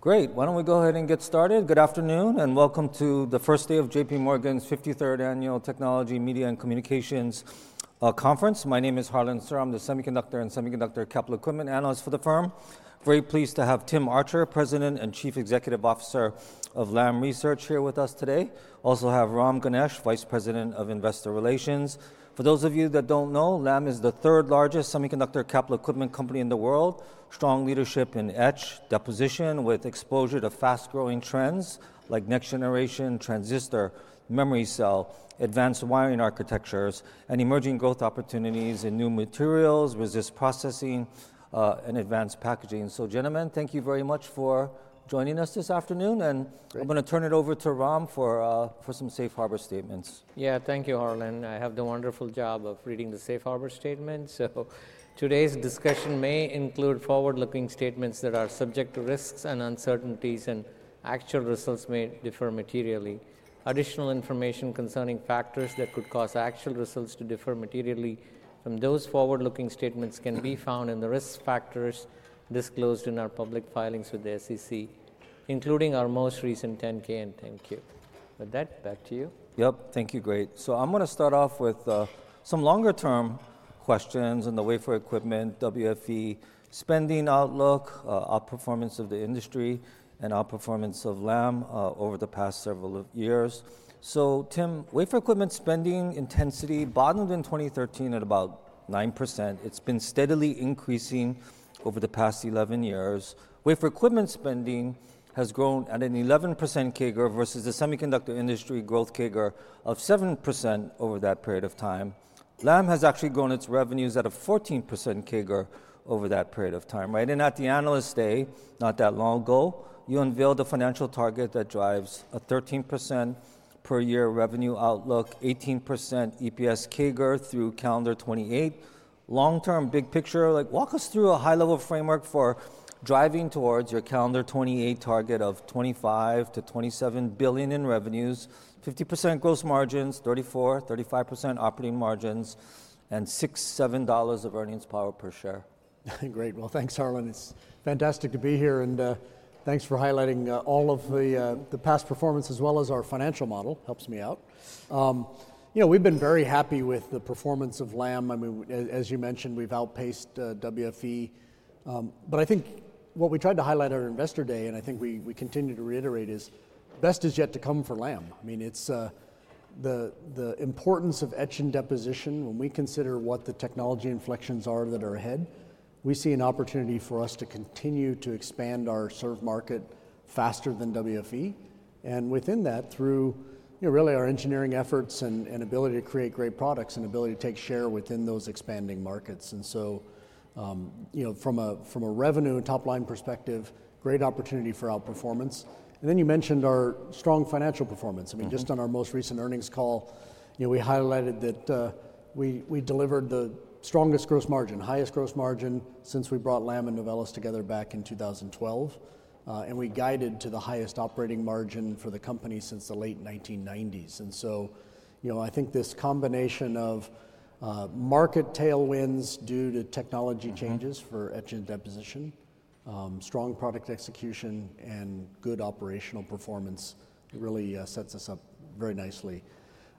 Great. Why don't we go ahead and get started? Good afternoon, and welcome to the first day of JPMorgan's 53rd Annual Technology, Media, and Communications Conference. My name is Harlan Sur. I'm the Semiconductor and Semiconductor Capital Equipment Analyst for the firm. Very pleased to have Tim Archer, President and Chief Executive Officer of Lam Research, here with us today. Also have Ram Ganesh, Vice President of Investor Relations. For those of you that don't know, Lam is the third largest semiconductor capital equipment company in the world. Strong leadership in etch deposition with exposure to fast-growing trends like next-generation transistor, memory cell, advanced wiring architectures, and emerging growth opportunities in new materials, resist processing, and advanced packaging. Gentlemen, thank you very much for joining us this afternoon. I'm going to turn it over to Ram for some Safe Harbor statements. Yeah, thank you, Harlan. I have the wonderful job of reading the Safe Harbor statements. Today's discussion may include forward-looking statements that are subject to risks and uncertainties, and actual results may differ materially. Additional information concerning factors that could cause actual results to differ materially from those forward-looking statements can be found in the risk factors disclosed in our public filings with the SEC, including our most recent 10-K. Thank you. With that, back to you. Yep. Thank you. Great. I am going to start off with some longer-term questions in the wafer equipment, WFE spending outlook, outperformance of the industry, and outperformance of Lam over the past several years. Tim, wafer equipment spending intensity bottomed in 2013 at about 9%. It has been steadily increasing over the past 11 years. Wafer equipment spending has grown at an 11% CAGR versus the semiconductor industry growth CAGR of 7% over that period of time. Lam has actually grown its revenues at a 14% CAGR over that period of time. Right? At the analyst day, not that long ago, you unveiled a financial target that drives a 13% per year revenue outlook, 18% EPS CAGR through calendar 2028. Long-term, big picture, like walk us through a high-level framework for driving towards your calendar 2028 target of $25 billion-$27 billion in revenues, 50% gross margins, 34%-35% operating margins, and $6-$7 of earnings power per share. Great. Thanks, Harlan. It's fantastic to be here. Thanks for highlighting all of the past performance as well as our financial model. Helps me out. You know, we've been very happy with the performance of Lam. I mean, as you mentioned, we've outpaced WFE. I think what we tried to highlight at our investor day, and I think we continue to reiterate, is best is yet to come for Lam. I mean, it's the importance of etch and deposition. When we consider what the technology inflections are that are ahead, we see an opportunity for us to continue to expand our serve market faster than WFE. Within that, through really our engineering efforts and ability to create great products and ability to take share within those expanding markets. You know, from a revenue and top-line perspective, great opportunity for outperformance. You mentioned our strong financial performance. I mean, just on our most recent earnings call, you know, we highlighted that we delivered the strongest gross margin, highest gross margin since we brought Lam and Novellus together back in 2012. We guided to the highest operating margin for the company since the late 1990s. You know, I think this combination of market tailwinds due to technology changes for etch and deposition, strong product execution, and good operational performance really sets us up very nicely.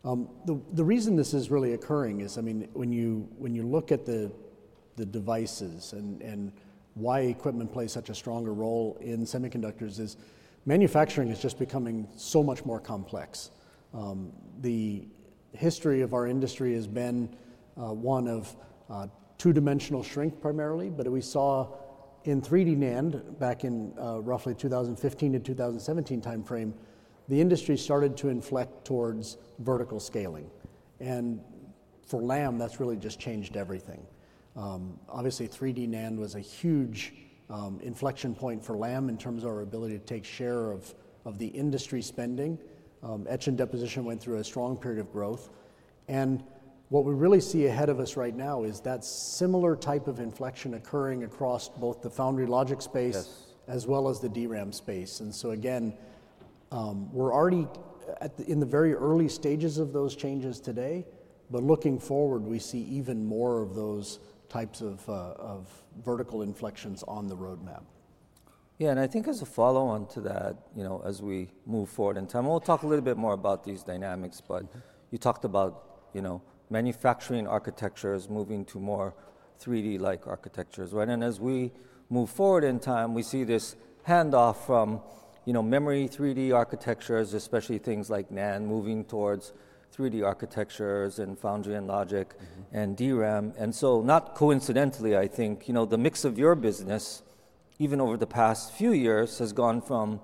The reason this is really occurring is, I mean, when you look at the devices and why equipment plays such a stronger role in semiconductors, is manufacturing is just becoming so much more complex. The history of our industry has been one of two-dimensional shrink primarily. We saw in 3D NAND back in roughly 2015-2017 timeframe, the industry started to inflect towards vertical scaling. For Lam, that really just changed everything. Obviously, 3D NAND was a huge inflection point for Lam in terms of our ability to take share of the industry spending. Etch and deposition went through a strong period of growth. What we really see ahead of us right now is that similar type of inflection occurring across both the foundry logic space as well as the DRAM space. Again, we're already in the very early stages of those changes today. Looking forward, we see even more of those types of vertical inflections on the roadmap. Yeah. I think as a follow-on to that, you know, as we move forward in time, we'll talk a little bit more about these dynamics. You talked about, you know, manufacturing architectures moving to more 3D-like architectures. Right?. As we move forward in time, we see this handoff from, you know, memory 3D architectures, especially things like NAND, moving towards 3D architectures in foundry and logic and DRAM. Not coincidentally, I think, you know, the mix of your business, even over the past few years, has gone from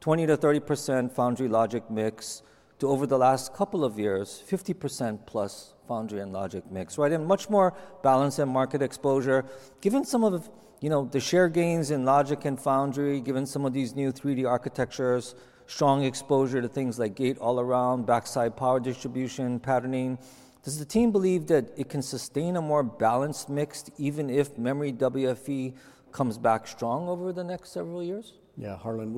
20%-30% foundry logic mix to, over the last couple of years, 50% plus foundry and logic mix. Right?. Much more balance and market exposure, given some of, you know, the share gains in logic and foundry, given some of these new 3D architectures, strong exposure to things like gate all-around, backside power distribution, patterning. Does the team believe that it can sustain a more balanced mix even if memory WFE comes back strong over the next several years?. Yeah, Harlan,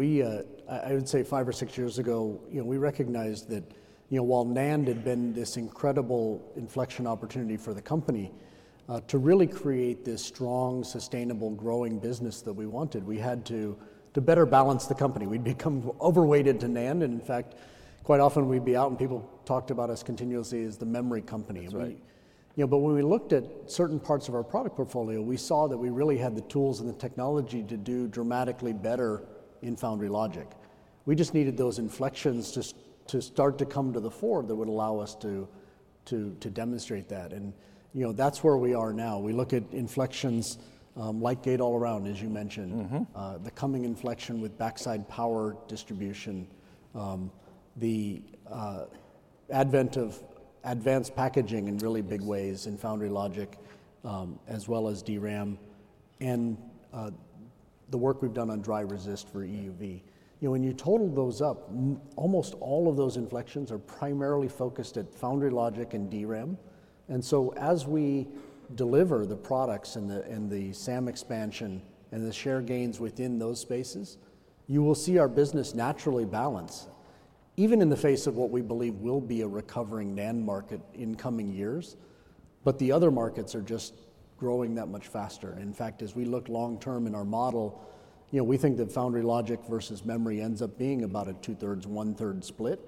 I would say five or six years ago, you know, we recognized that, you know, while NAND had been this incredible inflection opportunity for the company to really create this strong, sustainable, growing business that we wanted, we had to better balance the company. We'd become overweighted to NAND. In fact, quite often we'd be out, and people talked about us continuously as the memory company. I mean, you know, but when we looked at certain parts of our product portfolio, we saw that we really had the tools and the technology to do dramatically better in foundry logic. We just needed those inflections to start to come to the fore that would allow us to demonstrate that. You know, that's where we are now. We look at inflections like gate all-around, as you mentioned, the coming inflection with backside power distribution, the advent of advanced packaging in really big ways in foundry logic, as well as DRAM, and the work we've done on dry resist for EUV. You know, when you total those up, almost all of those inflections are primarily focused at foundry logic and DRAM. As we deliver the products and the SAM expansion and the share gains within those spaces, you will see our business naturally balance, even in the face of what we believe will be a recovering NAND market in coming years. The other markets are just growing that much faster. In fact, as we look long-term in our model, you know, we think that foundry logic versus memory ends up being about a 2/3, 1/3 split.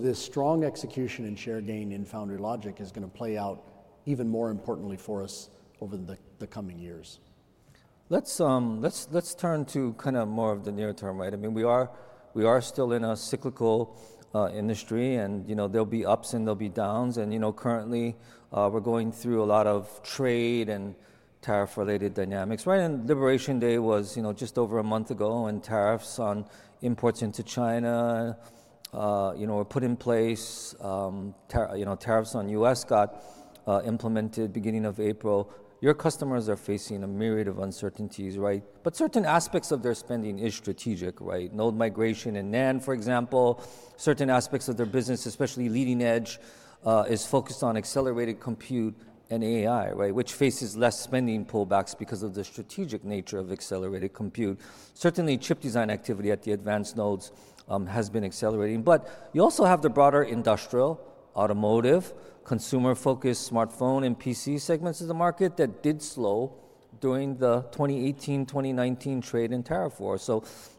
This strong execution and share gain in foundry logic is going to play out even more importantly for us over the coming years. Let's turn to kind of more of the near term. Right?. I mean, we are still in a cyclical industry. And, you know, there'll be ups and there'll be downs. And, you know, currently, we're going through a lot of trade and tariff-related dynamics. Right. Liberation Day was, you know, just over a month ago, and tariffs on imports into China, you know, were put in place. You know, tariffs on the US got implemented beginning of April. Your customers are facing a myriad of uncertainties. Right?. But certain aspects of their spending are strategic. Right?. Node migration in NAND, for example, certain aspects of their business, especially leading edge, are focused on accelerated compute and AI. Right?. Which faces less spending pullbacks because of the strategic nature of accelerated compute. Certainly, chip design activity at the advanced nodes has been accelerating. You also have the broader industrial, automotive, consumer-focused smartphone and PC segments of the market that did slow during the 2018, 2019 trade and tariff war.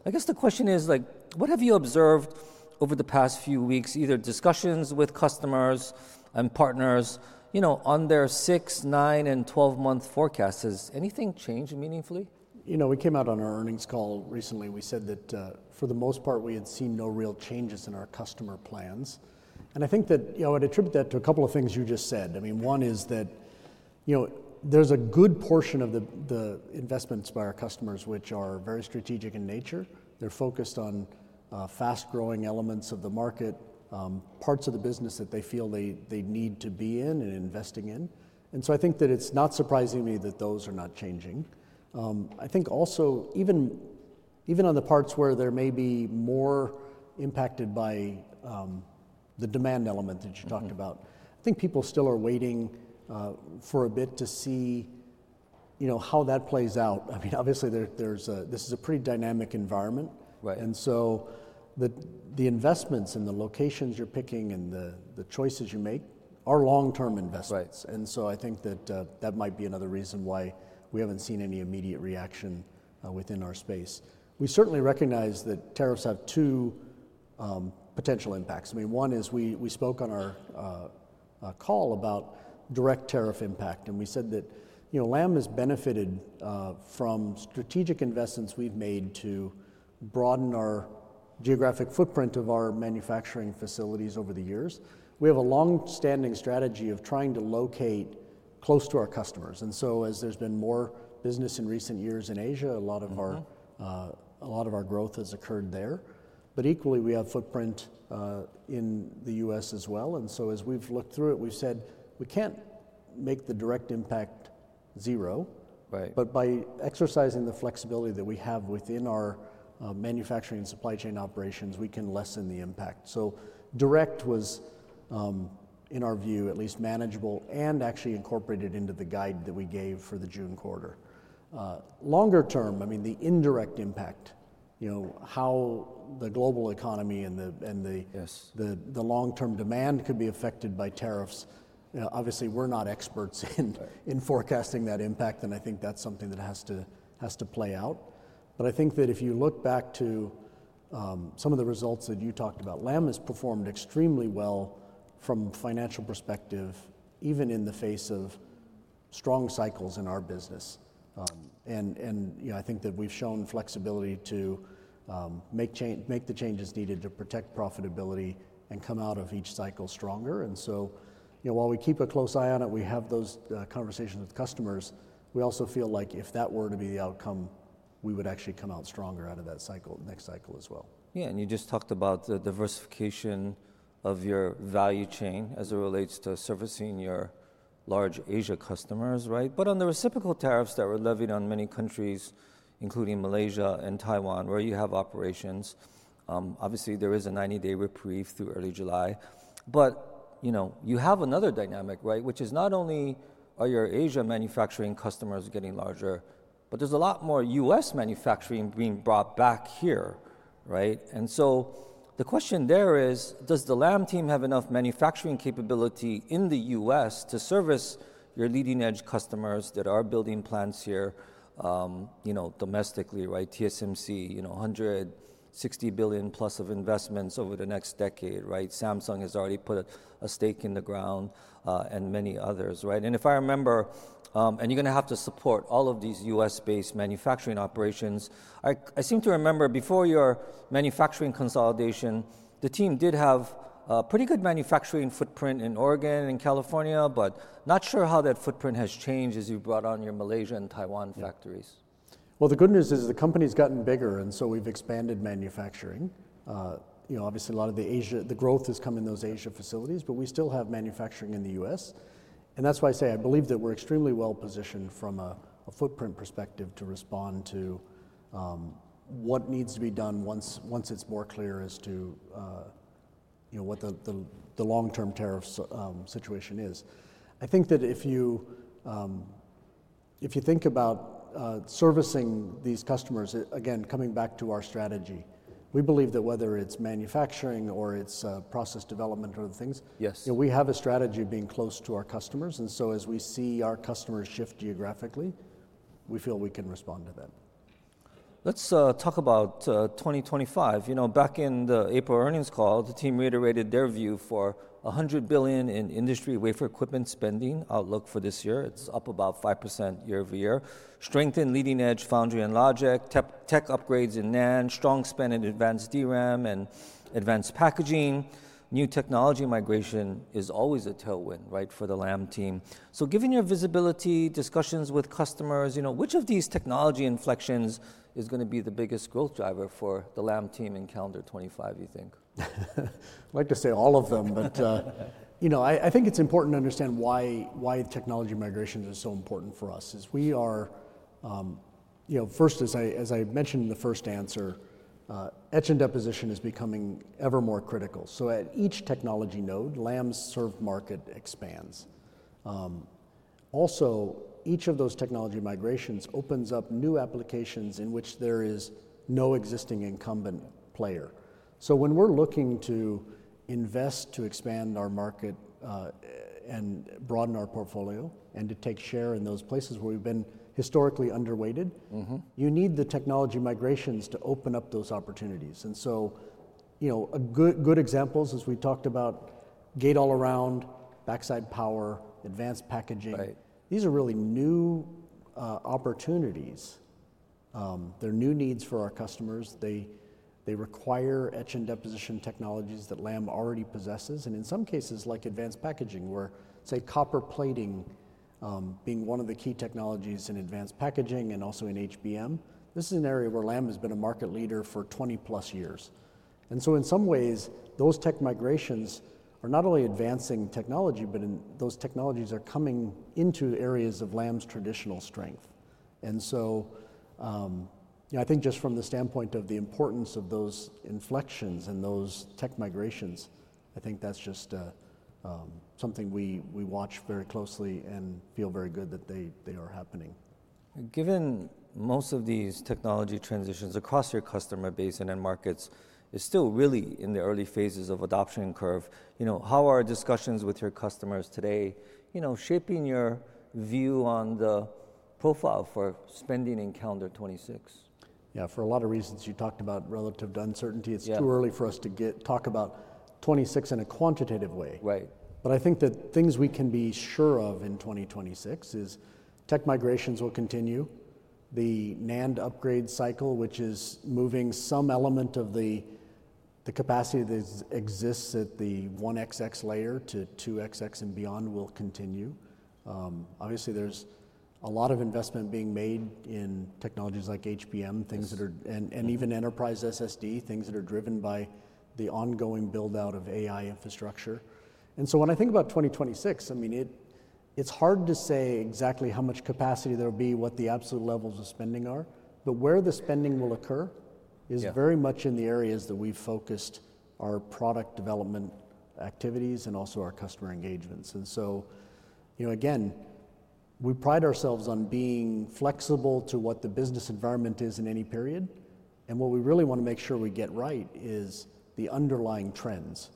I guess the question is, like, what have you observed over the past few weeks, either discussions with customers and partners, you know, on their six, nine, and 12 month forecasts?. Has anything changed meaningfully?. You know, we came out on our earnings call recently. We said that, for the most part, we had seen no real changes in our customer plans. I think that, you know, I'd attribute that to a couple of things you just said. I mean, one is that, you know, there's a good portion of the investments by our customers which are very strategic in nature. They're focused on fast-growing elements of the market, parts of the business that they feel they need to be in and investing in. I think that it's not surprising to me that those are not changing. I think also, even on the parts where they may be more impacted by the demand element that you talked about, I think people still are waiting for a bit to see, you know, how that plays out. I mean, obviously, this is a pretty dynamic environment. The investments and the locations you're picking and the choices you make are long-term investments. I think that that might be another reason why we haven't seen any immediate reaction within our space. We certainly recognize that tariffs have two potential impacts. One is we spoke on our call about direct tariff impact. We said that, you know, Lam has benefited from strategic investments we've made to broaden our geographic footprint of our manufacturing facilities over the years. We have a long-standing strategy of trying to locate close to our customers. As there's been more business in recent years in Asia, a lot of our growth has occurred there. Equally, we have footprint in the U.S. as well. As we've looked through it, we've said we can't make the direct impact zero. By exercising the flexibility that we have within our manufacturing and supply chain operations, we can lessen the impact. Direct was, in our view, at least manageable and actually incorporated into the guide that we gave for the June quarter. Longer term, I mean, the indirect impact, you know, how the global economy and the long-term demand could be affected by tariffs, obviously, we're not experts in forecasting that impact. I think that's something that has to play out. I think that if you look back to some of the results that you talked about, Lam has performed extremely well from a financial perspective, even in the face of strong cycles in our business. You know, I think that we've shown flexibility to make the changes needed to protect profitability and come out of each cycle stronger. You know, while we keep a close eye on it, we have those conversations with customers, we also feel like if that were to be the outcome, we would actually come out stronger out of that cycle, next cycle as well. Yeah. And you just talked about the diversification of your value chain as it relates to servicing your large Asia customers, right?. On the reciprocal tariffs that were levied on many countries, including Malaysia and Taiwan, where you have operations, obviously, there is a 90-day reprieve through early July. But, you know, you have another dynamic, right?. Which is not only are your Asia manufacturing customers getting larger, but there is a lot more U.S. manufacturing being brought back here, right?. The question there is, does the Lam team have enough manufacturing capability in the U.S. to service your leading edge customers that are building plants here, you know, domestically, right?. TSMC, you know, $160 billion plus of investments over the next decade, right?. Samsung has already put a stake in the ground and many others, right?. If I remember, and you're going to have to support all of these U.S.-based manufacturing operations, I seem to remember before your manufacturing consolidation, the team did have a pretty good manufacturing footprint in Oregon and California. Not sure how that footprint has changed as you brought on your Malaysia and Taiwan factories. The good news is the company's gotten bigger. We have expanded manufacturing. You know, obviously, a lot of the Asia, the growth has come in those Asia facilities. We still have manufacturing in the U.S. That is why I say I believe that we are extremely well-positioned from a footprint perspective to respond to what needs to be done once it is more clear as to, you know, what the long-term tariff situation is. I think that if you think about servicing these customers, again, coming back to our strategy, we believe that whether it is manufacturing or it is process development or other things, you know, we have a strategy of being close to our customers. As we see our customers shift geographically, we feel we can respond to that. Let's talk about 2025. You know, back in the April earnings call, the team reiterated their view for $100 billion in industry wafer equipment spending outlook for this year. It's up about 5% year over year. Strength in leading edge foundry and logic, tech upgrades in NAND, strong spend in advanced DRAM and advanced packaging. New technology migration is always a tailwind. Right?. For the Lam team. So, given your visibility, discussions with customers, you know, which of these technology inflections is going to be the biggest growth driver for the Lam team in calendar 2025, you think?. I'd like to say all of them. But, you know, I think it's important to understand why technology migration is so important for us. As we are, you know, first, as I mentioned in the first answer, etch and deposition is becoming ever more critical. At each technology node, Lam's serve market expands. Also, each of those technology migrations opens up new applications in which there is no existing incumbent player. When we're looking to invest, to expand our market and broaden our portfolio and to take share in those places where we've been historically underweighted, you need the technology migrations to open up those opportunities. Good examples, as we talked about, gate all-around, backside power, advanced packaging, these are really new opportunities. They're new needs for our customers. They require etch and deposition technologies that Lam already possesses. In some cases, like advanced packaging, where, say, copper plating being one of the key technologies in advanced packaging and also in HBM, this is an area where Lam has been a market leader for 20+ years. In some ways, those tech migrations are not only advancing technology, but those technologies are coming into areas of Lam's traditional strength. You know, I think just from the standpoint of the importance of those inflections and those tech migrations, I think that's just something we watch very closely and feel very good that they are happening. Given most of these technology transitions across your customer base and in markets, it's still really in the early phases of adoption curve. You know, how are discussions with your customers today, you know, shaping your view on the profile for spending in calendar 2026? Yeah. For a lot of reasons. You talked about relative uncertainty. It's too early for us to talk about 2026 in a quantitative way. I think that things we can be sure of in 2026 is tech migrations will continue. The NAND upgrade cycle, which is moving some element of the capacity that exists at the 1xx layer to 2xx and beyond, will continue. Obviously, there's a lot of investment being made in technologies like HBM, things that are, and even enterprise SSD, things that are driven by the ongoing build-out of AI infrastructure. When I think about 2026, I mean, it's hard to say exactly how much capacity there will be, what the absolute levels of spending are. Where the spending will occur is very much in the areas that we've focused our product development activities and also our customer engagements. You know, again, we pride ourselves on being flexible to what the business environment is in any period. What we really want to make sure we get right is the underlying trends.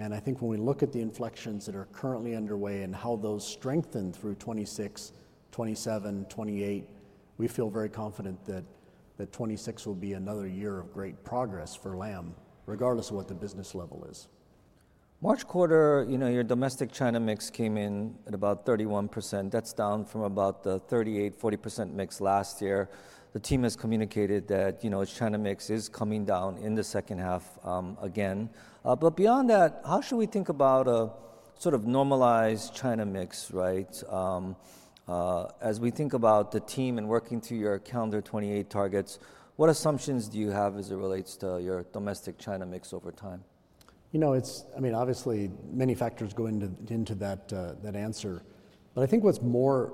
I think when we look at the inflections that are currently underway and how those strengthen through 2026, 2027, 2028, we feel very confident that 2026 will be another year of great progress for Lam, regardless of what the business level is. March quarter, you know, your domestic China mix came in at about 31%. That's down from about the 38%-40% mix last year. The team has communicated that, you know, China mix is coming down in the second half again. Beyond that, how should we think about a sort of normalized China mix?. Right?. As we think about the team and working to your calendar 2028 targets, what assumptions do you have as it relates to your domestic China mix over time?. You know, it's, I mean, obviously, many factors go into that answer. I think what's more,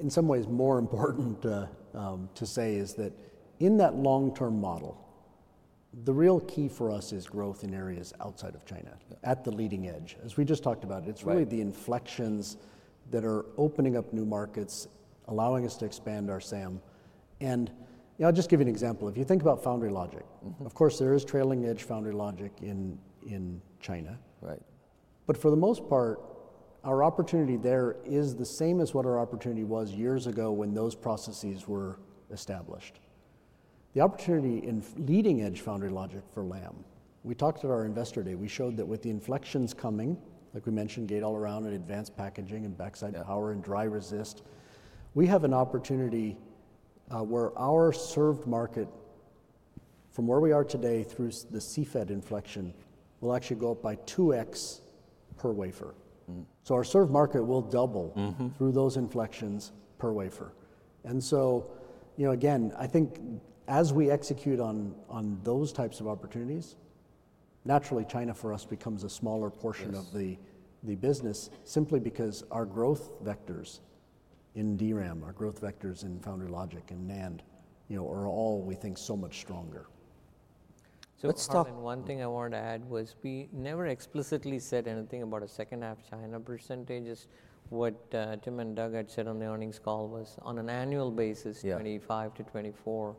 in some ways, more important to say is that in that long-term model, the real key for us is growth in areas outside of China at the leading edge. As we just talked about, it's really the inflections that are opening up new markets, allowing us to expand our SAM. You know, I'll just give you an example. If you think about foundry logic, of course, there is trailing edge foundry logic in China. For the most part, our opportunity there is the same as what our opportunity was years ago when those processes were established. The opportunity in leading edge foundry logic for Lam, we talked at our investor day. We showed that with the inflections coming, like we mentioned, gate all-around and advanced packaging and backside power and dry resist, we have an opportunity where our serve market, from where we are today through the CFED inflection, will actually go up by 2x per wafer. Our serve market will double through those inflections per wafer. You know, again, I think as we execute on those types of opportunities, naturally, China for us becomes a smaller portion of the business simply because our growth vectors in DRAM, our growth vectors in foundry logic and NAND, you know, are all, we think, so much stronger. One thing I wanted to add was we never explicitly said anything about a second-half China %. What Tim and Doug had said on the earnings call was on an annual basis, 2025 to 2024,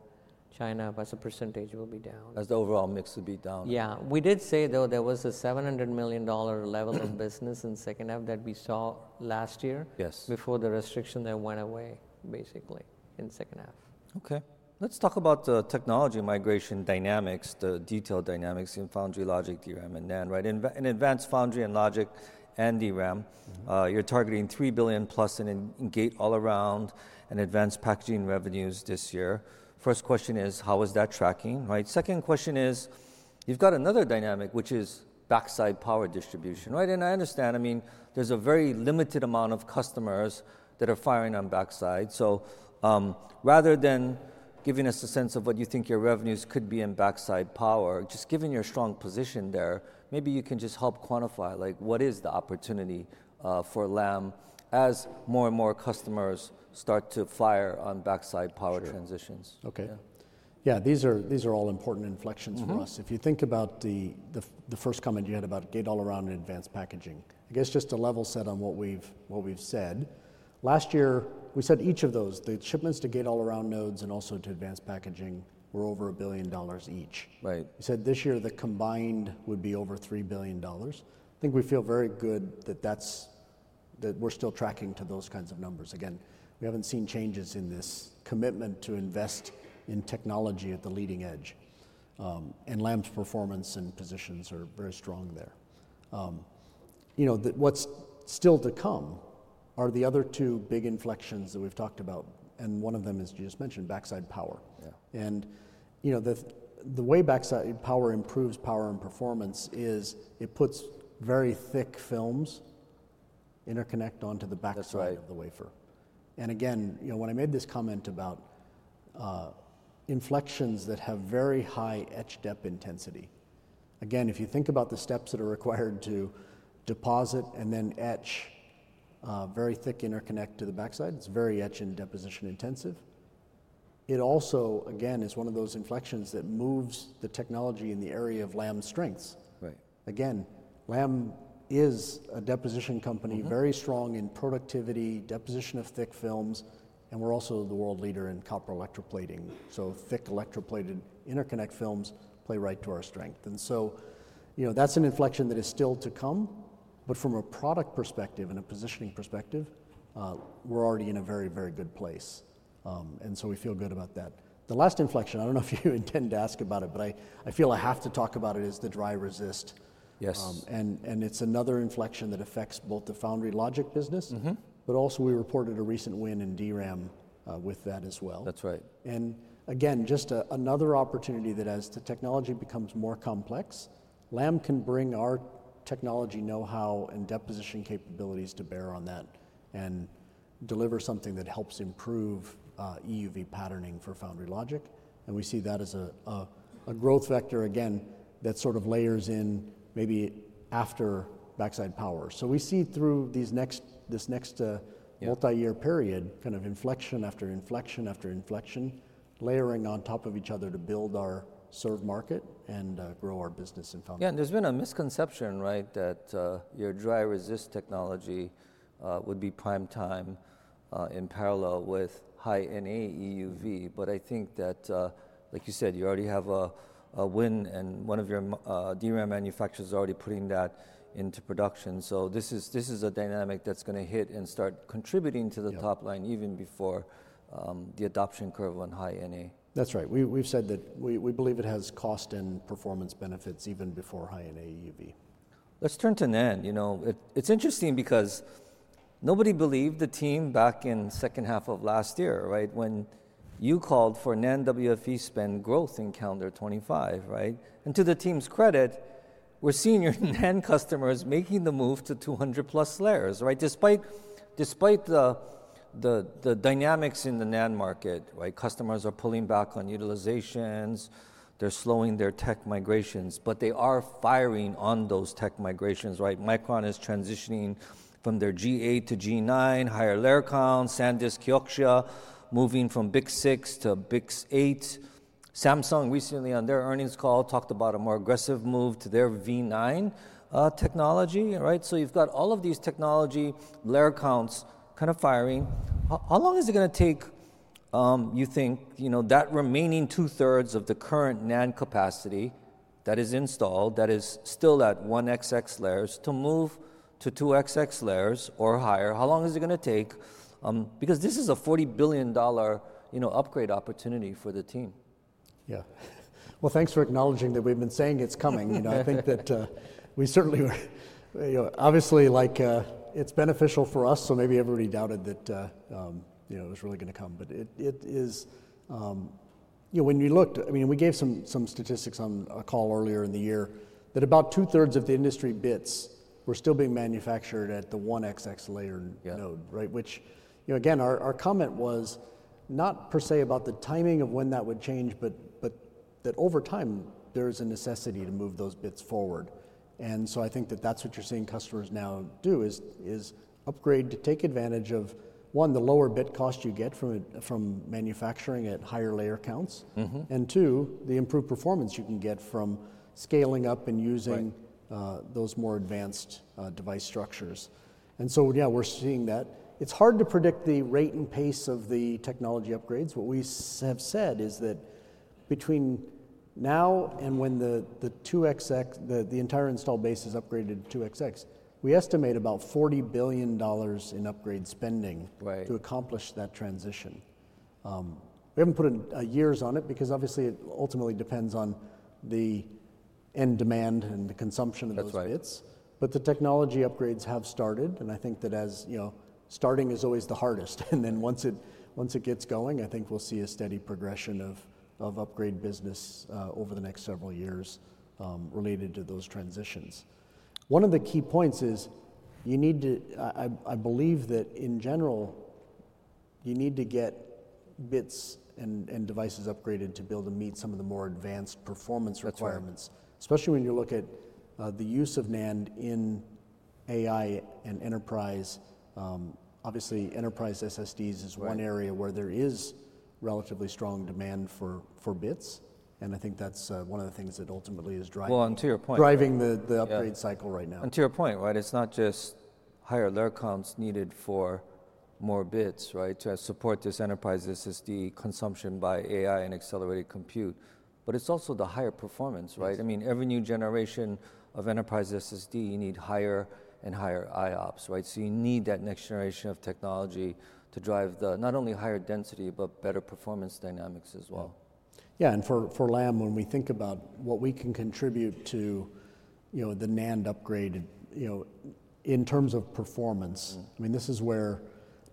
China as a percentage will be down. As the overall mix will be down. Yeah. We did say, though, there was a $700 million level of business in second half that we saw last year before the restriction that went away, basically, in second half. Okay. Let's talk about the technology migration dynamics, the detailed dynamics in foundry logic, DRAM, and NAND. Right?. In advanced foundry and logic and DRAM, you're targeting $3 billion plus in gate all-around and advanced packaging revenues this year. First question is, how is that tracking? Right? Second question is, you've got another dynamic, which is backside power distribution. Right?. I understand. I mean, there's a very limited amount of customers that are firing on backside. Rather than giving us a sense of what you think your revenues could be in backside power, just given your strong position there, maybe you can just help quantify, like, what is the opportunity for Lam as more and more customers start to fire on backside power transitions?. Sure. Okay. Yeah. These are all important inflections for us. If you think about the first comment you had about gate all-around and advanced packaging, I guess just to level set on what we've said, last year, we said each of those, the shipments to gate all-around nodes and also to advanced packaging were over $1 billion each. We said this year the combined would be over $3 billion. I think we feel very good that we're still tracking to those kinds of numbers. Again, we haven't seen changes in this commitment to invest in technology at the leading edge. And Lam's performance and positions are very strong there. You know, what's still to come are the other two big inflections that we've talked about. One of them is, you just mentioned, backside power. You know, the way backside power improves power and performance is it puts very thick films interconnect onto the backside of the wafer. Again, when I made this comment about inflections that have very high etch depth intensity, if you think about the steps that are required to deposit and then etch very thick interconnect to the backside, it is very etch and deposition intensive. It also is one of those inflections that moves the technology in the area of Lam's strengths. Lam is a deposition company very strong in productivity, deposition of thick films. We are also the world leader in copper electroplating. Thick electroplated interconnect films play right to our strength. That is an inflection that is still to come. From a product perspective and a positioning perspective, we are already in a very, very good place. We feel good about that. The last inflection, I do not know if you intend to ask about it, but I feel I have to talk about it, is the dry resist. It is another inflection that affects both the foundry logic business, but also, we reported a recent win in DRAM with that as well. Again, just another opportunity that as the technology becomes more complex, Lam can bring our technology know-how and deposition capabilities to bear on that and deliver something that helps improve EUV patterning for foundry logic. We see that as a growth vector, again, that sort of layers in maybe after backside power. We see through this next multi-year period, kind of inflection after inflection after inflection, layering on top of each other to build our served market and grow our business in foundry. Yeah. There's been a misconception, right, that your dry resist technology would be prime time in parallel with high NA EUV. I think that, like you said, you already have a win, and one of your DRAM manufacturers is already putting that into production. This is a dynamic that's going to hit and start contributing to the top line even before the adoption curve on high NA. That's right. We've said that we believe it has cost and performance benefits even before high NA EUV. Let's turn to NAND. You know, it's interesting because nobody believed the team back in the second half of last year, right, when you called for NAND WFE spend growth in calendar 2025. Right?. And to the team's credit, we're seeing your NAND customers making the move to 200+ layers. Right?. Despite the dynamics in the NAND market, right, customers are pulling back on utilizations. They're slowing their tech migrations. But they are firing on those tech migrations. Right?. Micron is transitioning from their G8 to G9, higher layer count, SanDisk, Kioxia, moving from BICS 6 to BICS 8. Samsung recently, on their earnings call, talked about a more aggressive move to their V9 technology. Right? You have all of these technology layer counts kind of firing. How long is it going to take, you think, you know, that remaining two-thirds of the current NAND capacity that is installed, that is still at 1xx layers, to move to 2xx layers or higher?. How long is it going to take? Because this is a $40 billion, you know, upgrade opportunity for the team. Yeah. Thanks for acknowledging that we've been saying it's coming. You know, I think that we certainly, you know, obviously, like, it's beneficial for us. Maybe everybody doubted that, you know, it was really going to come. It is, you know, when we looked, I mean, we gave some statistics on a call earlier in the year that about two-thirds of the industry bits were still being manufactured at the 1xx layer node. Right? Which, you know, again, our comment was not per se about the timing of when that would change, but that over time, there's a necessity to move those bits forward. I think that that's what you're seeing customers now do is upgrade to take advantage of, one, the lower bit cost you get from manufacturing at higher layer counts. Two, the improved performance you can get from scaling up and using those more advanced device structures. Yeah, we're seeing that. It's hard to predict the rate and pace of the technology upgrades. What we have said is that between now and when the 2xx, the entire install base is upgraded to 2xx, we estimate about $40 billion in upgrade spending to accomplish that transition. We haven't put years on it because obviously, it ultimately depends on the end demand and the consumption of those bits. The technology upgrades have started. I think that, as you know, starting is always the hardest. Once it gets going, I think we'll see a steady progression of upgrade business over the next several years related to those transitions. One of the key points is you need to, I believe that in general, you need to get bits and devices upgraded to be able to meet some of the more advanced performance requirements, especially when you look at the use of NAND in AI and enterprise. Obviously, enterprise SSDs is one area where there is relatively strong demand for bits. I think that's one of the things that ultimately is driving. To your point. Driving the upgrade cycle right now. To your point, right, it's not just higher layer counts needed for more bits, right, to support this enterprise SSD consumption by AI and accelerated compute. I mean, every new generation of enterprise SSD, you need higher and higher IOPS, right? You need that next generation of technology to drive not only higher density, but better performance dynamics as well. Yeah. For Lam, when we think about what we can contribute to, you know, the NAND upgrade, you know, in terms of performance, I mean, this is where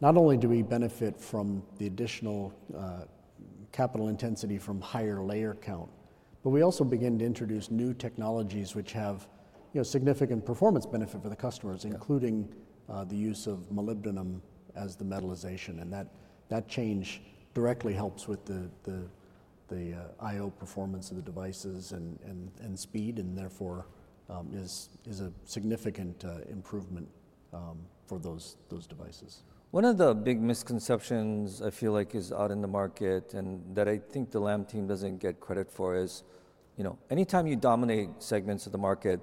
not only do we benefit from the additional capital intensity from higher layer count, but we also begin to introduce new technologies which have, you know, significant performance benefit for the customers, including the use of molybdenum as the metallization. That change directly helps with the IO performance of the devices and speed, and therefore is a significant improvement for those devices. One of the big misconceptions I feel like is out in the market and that I think the Lam team doesn't get credit for is, you know, anytime you dominate segments of the market,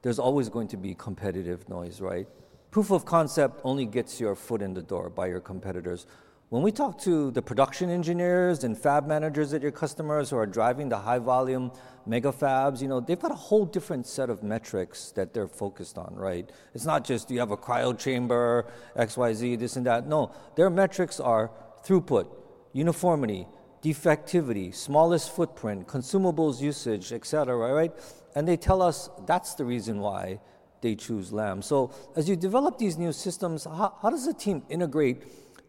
there's always going to be competitive noise, right? Proof of concept only gets your foot in the door by your competitors. When we talk to the production engineers and fab managers at your customers who are driving the high volume mega fabs, you know, they've got a whole different set of metrics that they're focused on, right? It's not just you have a cryo chamber, XYZ, this and that. No, their metrics are throughput, uniformity, defectivity, smallest footprint, consumables usage, et cetera, right? They tell us that's the reason why they choose Lam. As you develop these new systems, how does the team integrate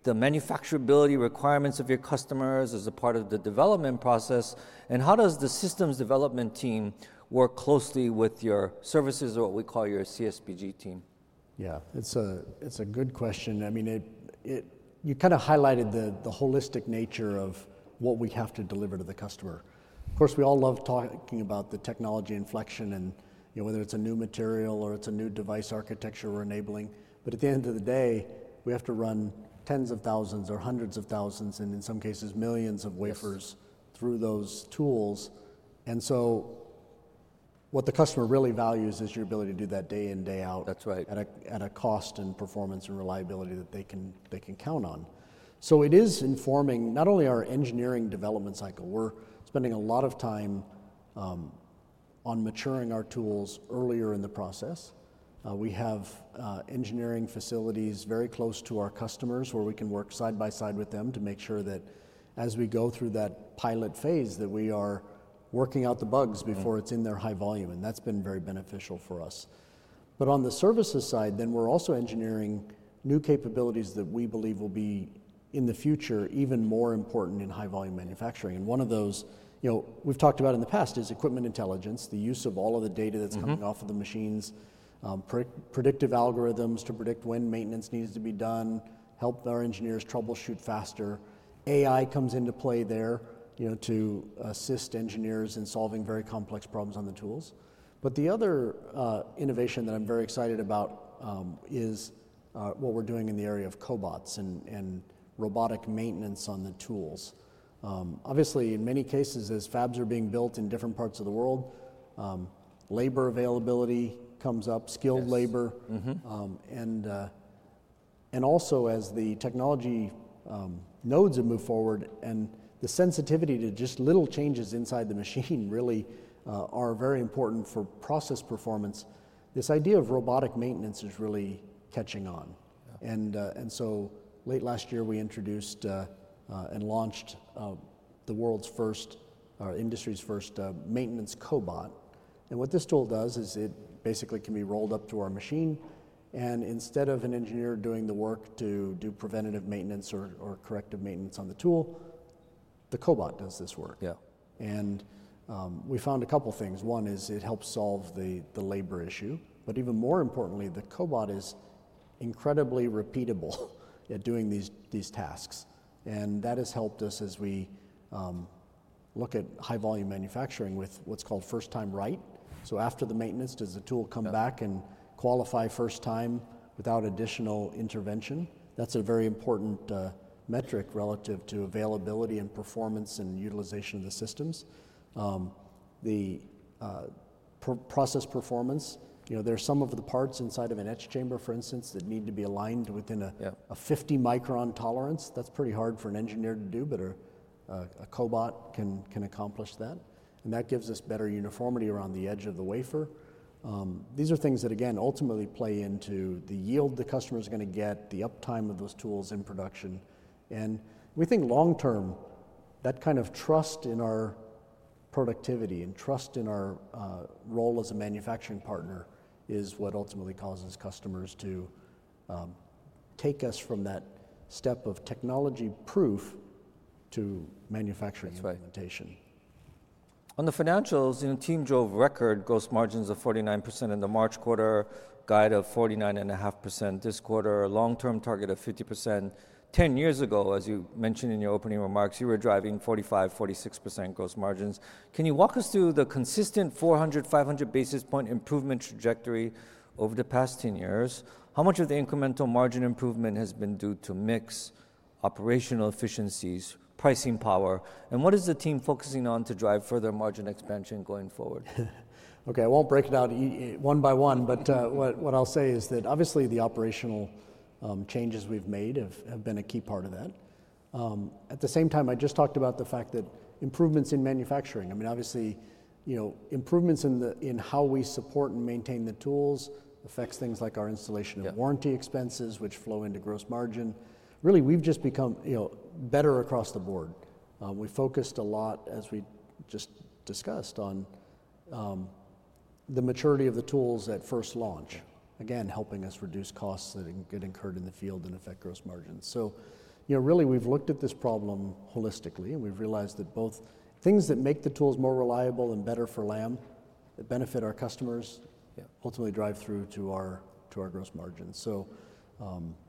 the manufacturability requirements of your customers as a part of the development process?. How does the systems development team work closely with your services or what we call your CSBG team?. Yeah. It's a good question. I mean, you kind of highlighted the holistic nature of what we have to deliver to the customer. Of course, we all love talking about the technology inflection and, you know, whether it's a new material or it's a new device architecture we're enabling. At the end of the day, we have to run tens of thousands or hundreds of thousands and in some cases millions of wafers through those tools. What the customer really values is your ability to do that day in, day out. That's right. At a cost and performance and reliability that they can count on. It is informing not only our engineering development cycle. We're spending a lot of time on maturing our tools earlier in the process. We have engineering facilities very close to our customers where we can work side by side with them to make sure that as we go through that pilot phase, we are working out the bugs before it's in their high volume. That has been very beneficial for us. On the services side, we are also engineering new capabilities that we believe will be in the future even more important in high volume manufacturing. One of those, you know, we've talked about in the past is equipment intelligence, the use of all of the data that's coming off of the machines, predictive algorithms to predict when maintenance needs to be done, help our engineers troubleshoot faster. AI comes into play there, you know, to assist engineers in solving very complex problems on the tools. The other innovation that I'm very excited about is what we're doing in the area of cobots and robotic maintenance on the tools. Obviously, in many cases, as fabs are being built in different parts of the world, labor availability comes up, skilled labor. Also as the technology nodes have moved forward and the sensitivity to just little changes inside the machine really are very important for process performance, this idea of robotic maintenance is really catching on. Late last year, we introduced and launched the world's first, our industry's first maintenance cobot. What this tool does is it basically can be rolled up to our machine. Instead of an engineer doing the work to do preventative maintenance or corrective maintenance on the tool, the cobot does this work. Yeah. We found a couple of things. One is it helps solve the labor issue. Even more importantly, the cobot is incredibly repeatable at doing these tasks. That has helped us as we look at high volume manufacturing with what is called first-time write. After the maintenance, does the tool come back and qualify first time without additional intervention?. That is a very important metric relative to availability and performance and utilization of the systems. The process performance, you know, there's some of the parts inside of an etch chamber, for instance, that need to be aligned within a 50 micron tolerance. That's pretty hard for an engineer to do, but a cobot can accomplish that. That gives us better uniformity around the edge of the wafer. These are things that, again, ultimately play into the yield the customer is going to get, the uptime of those tools in production. We think long term, that kind of trust in our productivity and trust in our role as a manufacturing partner is what ultimately causes customers to take us from that step of technology proof to manufacturing implementation. On the financials, you know, team drove record gross margins of 49% in the March quarter, guide of 49.5% this quarter, long-term target of 50%. Ten years ago, as you mentioned in your opening remarks, you were driving 45%-46% gross margins. Can you walk us through the consistent 400-500 basis point improvement trajectory over the past ten years?. How much of the incremental margin improvement has been due to mix, operational efficiencies, pricing power?. And what is the team focusing on to drive further margin expansion going forward?. Okay. I won't break it out one by one. What I'll say is that obviously the operational changes we've made have been a key part of that. At the same time, I just talked about the fact that improvements in manufacturing, I mean, obviously, you know, improvements in how we support and maintain the tools affects things like our installation and warranty expenses, which flow into gross margin. Really, we've just become, you know, better across the board. We focused a lot, as we just discussed, on the maturity of the tools at first launch, again, helping us reduce costs that get incurred in the field and affect gross margins. You know, really, we've looked at this problem holistically. We've realized that both things that make the tools more reliable and better for Lam, that benefit our customers, ultimately drive through to our gross margins.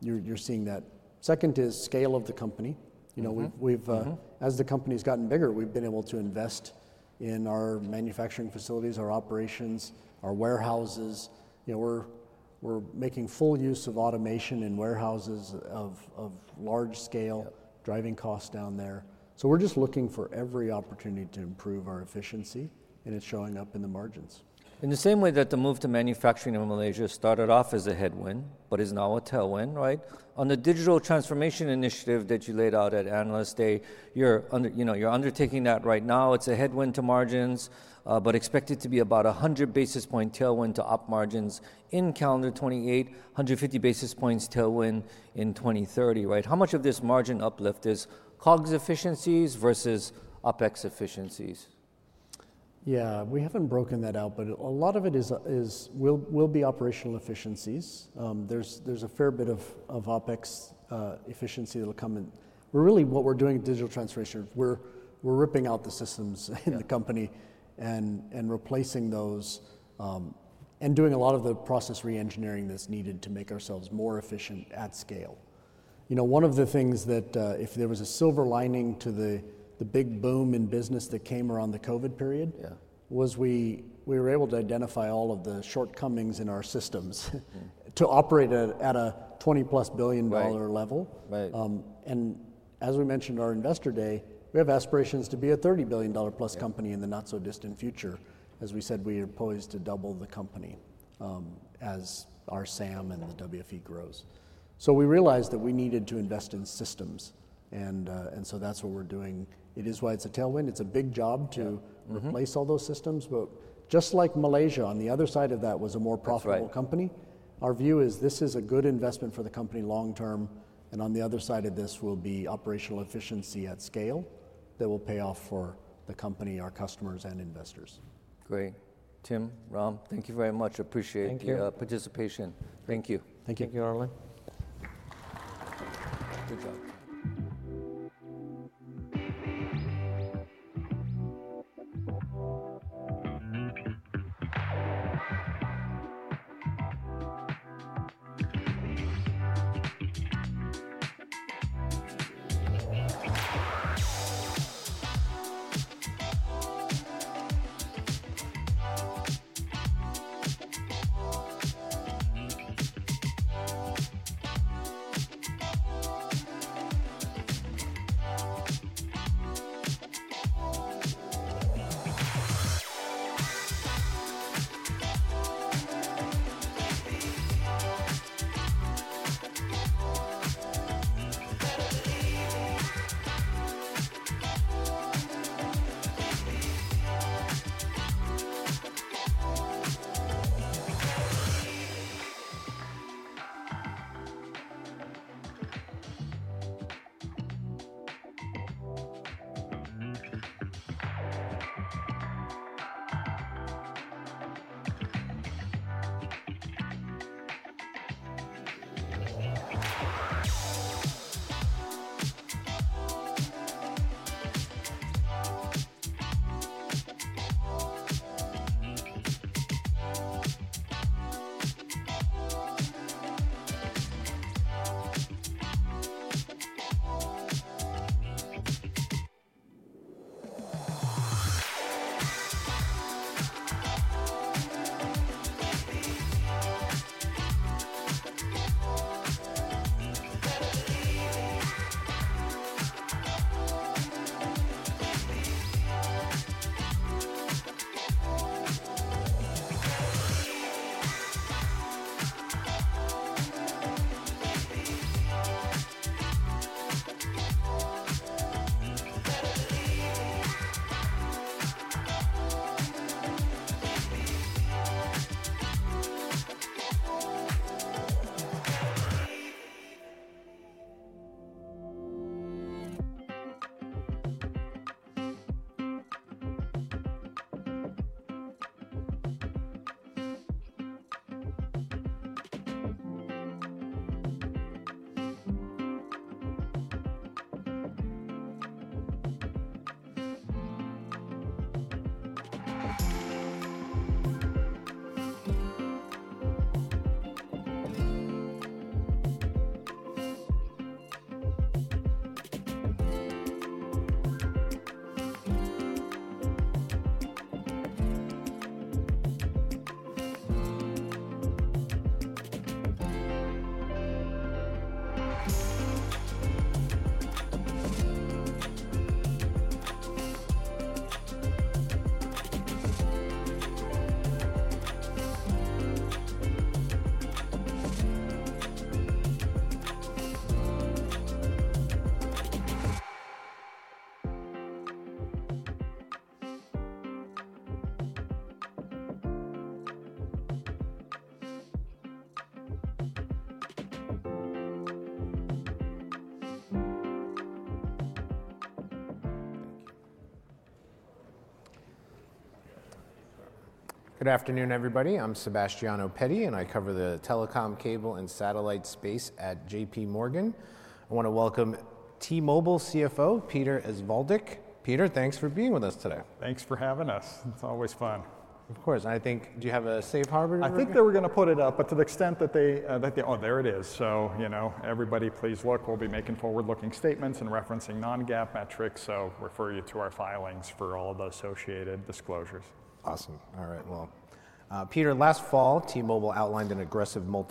You're seeing that. Second is scale of the company. You know, as the company has gotten bigger, we've been able to invest in our manufacturing facilities, our operations, our warehouses. You know, we're making full use of automation in warehouses of large scale, driving costs down there. We're just looking for every opportunity to improve our efficiency. It is showing up in the margins. In the same way that the move to manufacturing in Malaysia started off as a headwind, but is now a tailwind, right?. On the digital transformation initiative that you laid out at Analyst Day, you're undertaking that right now. It's a headwind to margins, but expected to be about 100 basis point tailwind to up margins in calendar 2028, 150 basis points tailwind in 2030, right?. How much of this margin uplift is COGS efficiencies versus OpEx efficiencies?. Yeah. We haven't broken that out, but a lot of it will be operational efficiencies. There's a fair bit of OpEx efficiency that will come in. Really, what we're doing in digital transformation, we're ripping out the systems in the company and replacing those and doing a lot of the process re-engineering that's needed to make ourselves more efficient at scale. You know, one of the things that if there was a silver lining to the big boom in business that came around the COVID period was we were able to identify all of the shortcomings in our systems to operate at a $20 billion+ level. As we mentioned at our investor day, we have aspirations to be a $30 billion+ company in the not so distant future. As we said, we are poised to double the company as our SAM and the WFE grows. We realized that we needed to invest in systems. That is what we are doing. It is why it is a tailwind. It is a big job to replace all those systems. Just like Malaysia, on the other side of that was a more profitable company, our view is this is a good investment for the company long term. On the other side of this will be operational efficiency at scale that will pay off for the company, our customers, and investors. Great. Tim, Ram, thank you very much. Appreciate your participation. Thank you. Thank you. Thank you, Harlan. Good job. Good afternoon, everybody. I'm Sebastiano Petty, and I cover the telecom, cable, and satellite space at JPMorgan. I want to welcome T-Mobile CFO Peter Osvaldik. Peter, thanks for being with us today. Thanks for having us. It's always fun. Of course. I think, do you have a safe harbor? I think they were going to put it up, but to the extent that they, oh, there it is. You know, everybody please look. We'll be making forward-looking statements and referencing non-GAAP metrics. Refer you to our filings for all the associated disclosures. Awesome. All right. Peter, last fall, T-Mobile outlined an aggressive motor.